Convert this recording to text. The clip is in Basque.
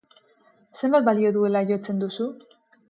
Zenbat balio duela jotzen duzu?